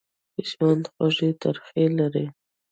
ژوند خوږې ترخې لري.